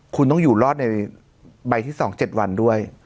คุณต้องอยู่รอดในใบที่๒๗วันด้วย